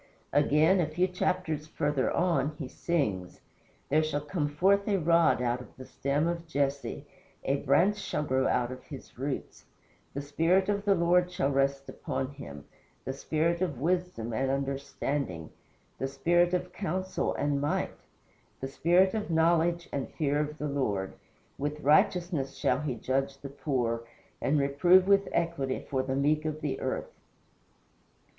Again, a few chapters further on, he sings: "There shall come forth a rod out of the stem of Jesse A Branch shall grow out of his roots. The Spirit of the Lord shall rest upon him; The spirit of wisdom and understanding, The spirit of counsel and might, The spirit of knowledge, and fear of the Lord. With righteousness shall he judge the poor, And reprove with equity for the meek of the earth."